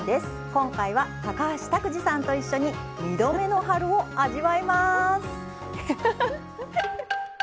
今回は橋拓児さんと一緒に「２度目の春」を味わいます。